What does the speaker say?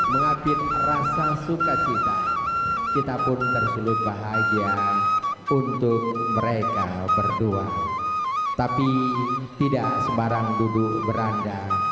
mengambil rasa sukacita kita pun tersulut bahagia untuk mereka berdua tapi tidak sebarang dulu berada